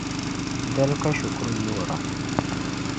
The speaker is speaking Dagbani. Dali ka shikuru yoora.